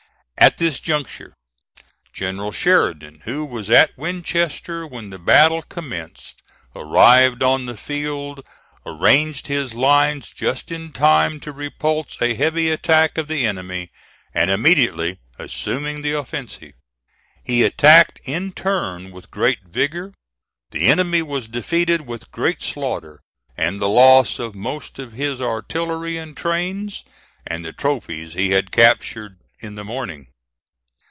At this juncture, General Sheridan, who was at Winchester when the battle commenced arrived on the field, arranged his lines just in time to repulse a heavy attack of the enemy, and immediately assuming the offensive, he attacked in turn with great vigor. The enemy was defeated with great slaughter, and the loss of most of his artillery and trains, and the trophies he had captured in the morning.